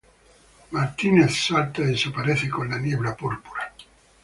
Twilight salta y desaparece con la niebla púrpura.